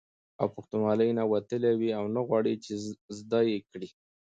او پښتنوالي نه وتلي وي او نه غواړي، چې زده یې کړي